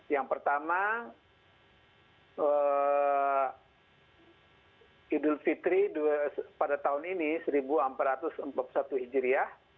yang pertama idul fitri pada tahun ini seribu empat ratus empat puluh satu hijriah